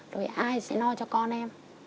rồi ai sẽ no cho con em